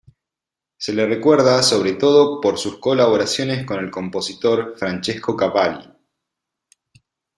Se le recuerda sobre todo por sus colaboraciones con el compositor Francesco Cavalli.